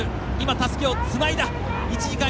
たすきをつないだ。